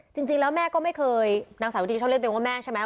จริงแล้วแม่ก็ไม่เคยนางสาววิธีชอบเรียกตัวเองว่าแม่ใช่ไหม